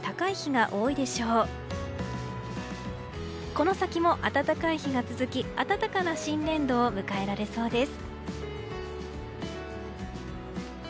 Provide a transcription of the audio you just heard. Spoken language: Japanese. この先も暖かい日が続き暖かな新年度を迎えられそうです。